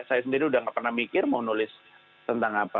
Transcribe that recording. saya sendiri udah gak pernah mikir mau nulis tentang apa